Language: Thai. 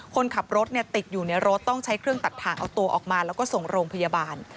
คนขับรถติดอยู่ในรถต้องใช้เครื่องตัดทางเอาตัวออกมาแล้วก็ส่งโรงพยาบาล